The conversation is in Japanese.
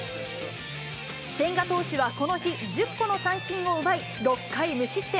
千賀投手はこの日、１０個の三振を奪い、６回無失点。